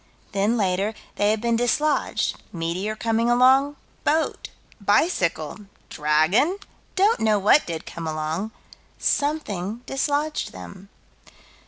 Then, later, they had been dislodged meteor coming along boat bicycle dragon don't know what did come along something dislodged them.